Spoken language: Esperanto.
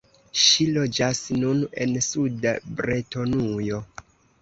Ŝi loĝas nun en suda Bretonujo.